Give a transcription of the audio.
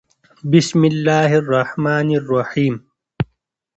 بسم الله الرحمن الرحیم